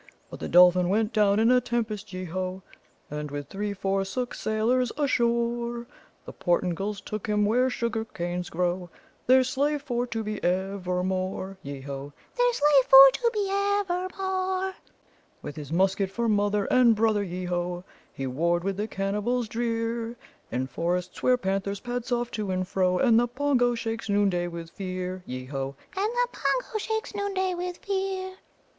"But the Dolphin went down in a tempest, yeo ho! And with three forsook sailors ashore, The Portingals took him where sugar canes grow, Their slave for to be evermore, Yeo ho! Their slave for to be evermore. "With his musket for mother and brother, yeo ho! He warred wi' the Cannibals drear, In forests where panthers pad soft to and fro, And the Pongo shakes noonday with fear Yeo ho! And the Pongo shakes noonday with fear.